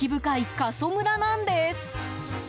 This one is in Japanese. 過疎村なんです！